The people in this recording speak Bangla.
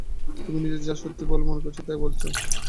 তুমি নিজে যা সত্যি বলে মনে করছ, তা-ই বলছ।